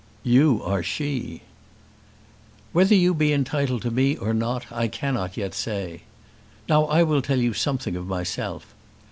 "You are she." "Whether you be entitled to me or not I cannot yet say. Now I will tell you something of myself.